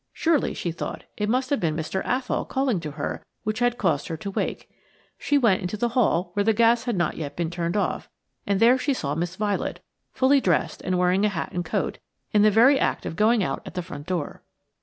Surely, she thought, it must have been Mr. Athol calling to her which had caused her to wake. She went into the hall, where the gas had not yet been turned off, and there she saw Miss Violet, fully dressed and wearing a hat and coat, in the very act of going out at the front door.